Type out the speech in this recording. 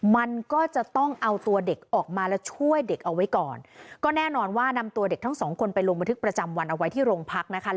มันก็จะต้องเอาตัวเด็กออกมาแล้วช่วยเด็กเอาไว้ก่อนก็แน่นอนว่านำตัวเด็กทั้งสองคนไปลงบันทึกประจำวันเอาไว้ที่โรงพักนะคะ